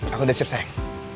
aku udah siap sayang